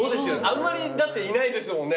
あんまりいないですもんね。